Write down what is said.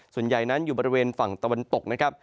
ส่วนใหญ่นั้นอยู่บริเวณฝั่งตะวันตกนะครับ